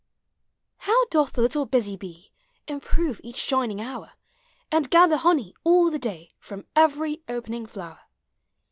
How doth the little busv bee Improve each shining hour, And gather honey all the day From every opening flower.